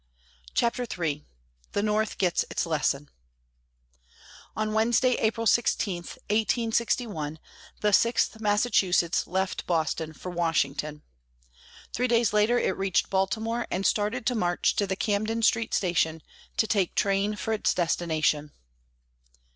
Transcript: CHAPTER III THE NORTH GETS ITS LESSON On Wednesday, April 16, 1861, the Sixth Massachusetts left Boston for Washington. Three days later it reached Baltimore, and started to march to the Camden Street station to take train for its destination.